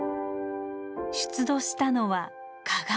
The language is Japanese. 出土したのは鏡。